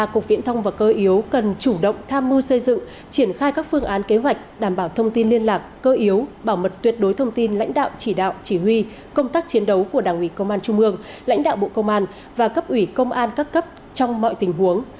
cục viễn thông và cơ yếu cần chủ động tham mưu xây dựng triển khai các phương án kế hoạch đảm bảo thông tin liên lạc cơ yếu bảo mật tuyệt đối thông tin lãnh đạo chỉ đạo chỉ huy công tác chiến đấu của đảng ủy công an trung ương lãnh đạo bộ công an và cấp ủy công an các cấp trong mọi tình huống